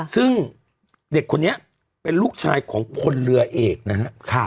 ซึ่งเด็กคนนี้เป็นลูกชายของพลเรือเอกนะครับ